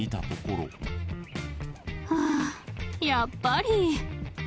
ああやっぱり。